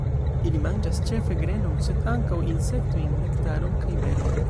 Ili manĝas ĉefe grenon sed ankaŭ insektojn, nektaron kaj berojn.